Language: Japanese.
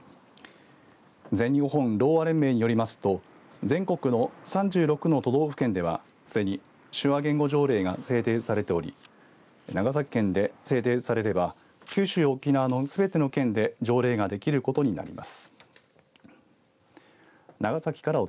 全日本ろうあ連盟によりますと全国の３６の都道府県ではすでに手話言語条例が制定されており長崎県で制定されれば九州・沖縄のすべての県で条例ができることになります。